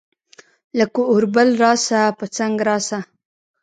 لکه اوربل راسه ، پۀ څنګ راسه